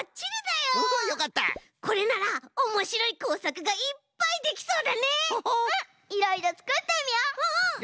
いろいろつくってみよう！